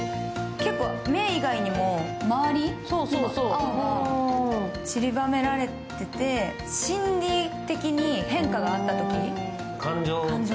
目以外にも周りに青が散りばめられていて心理的に変化があったときの感情。